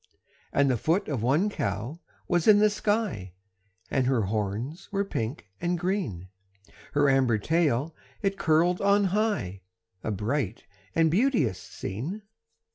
And the foot of one cow was in the sky, And her horns were pink and green; Her amber tail it curled on high A bright and beauteous scene.